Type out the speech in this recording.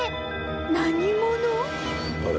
何者？